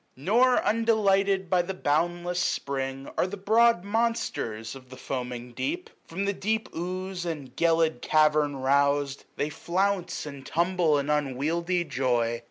> Nor undelighted by the boundless Spring Are the broad monsters of the foaming deep : From the deep ooze and gelid cavern rous'd, S20 They flounce and tumble in unwieldly joy.